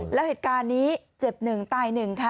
แล้วเหตุการณ์นี้เจ็บหนึ่งตายหนึ่งค่ะ